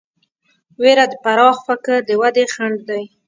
وېره د پراخ فکر د ودې خنډ دی.